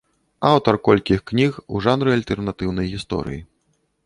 Аўтар колькіх кніг у жанры альтэрнатыўнай гісторыі.